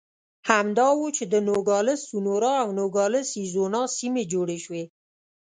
همدا و چې د نوګالس سونورا او نوګالس اریزونا سیمې جوړې شوې.